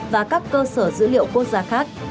và các cơ sở dữ liệu quốc gia khác